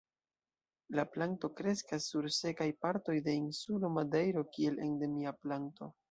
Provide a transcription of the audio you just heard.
La planto kreskas sur sekaj partoj de insulo Madejro kiel endemia planto.